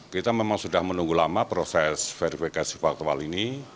kita memang sudah menunggu lama proses verifikasi faktual ini